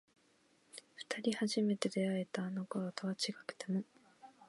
二人初めて出会えたあの頃とは違くても